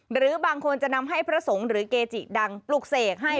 หรือบางคนจะนำให้พระสงฆ์หรือเกจิดังปลุกเสกให้